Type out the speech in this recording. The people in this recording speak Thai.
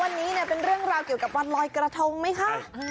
วันนี้เป็นเรื่องราวเกี่ยวกับวันลอยกระทงไหมคะ